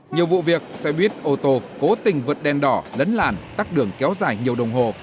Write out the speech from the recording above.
nhiều vụ việc xe buýt ô tô cố tình vượt đen đỏ lấn làn tắt đường kéo dài nhiều đồng hồ